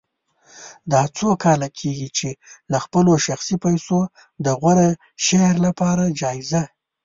دا څو کاله کېږي چې له خپلو شخصي پیسو د غوره شعر لپاره جایزه